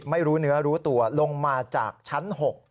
ไม่รู้เนื้อรู้ตัวลงมาจากชั้น๖